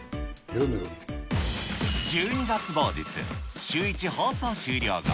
１２月某日、シューイチ放送終了後。